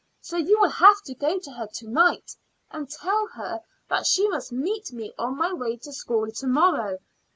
So you will have to go to her to night and tell her that she must meet me on my way to school to morrow.